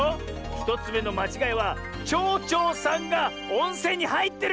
１つめのまちがいはちょうちょうさんがおんせんにはいってる！